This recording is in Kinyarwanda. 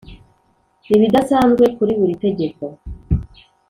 ibidasanzwe kuri buri tegeko